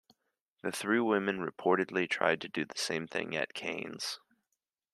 The three women reportedly tried to do the same thing at Cannes.